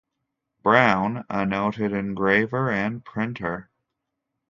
Brown, a noted engraver and printer.